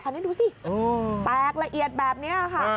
อันนี้ดูสิแตกละเอียดแบบนี้ค่ะ